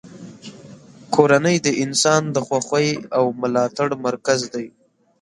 کورنۍ د انسان د خوښۍ او ملاتړ مرکز دی.